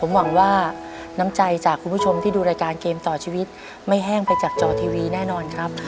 หวังว่าน้ำใจจากคุณผู้ชมที่ดูรายการเกมต่อชีวิตไม่แห้งไปจากจอทีวีแน่นอนครับ